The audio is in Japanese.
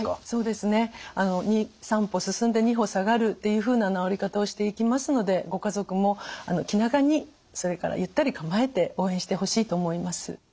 そうですね３歩進んで２歩下がるっていうふうな治り方をしていきますのでご家族も気長にそれからゆったり構えて応援してほしいと思います。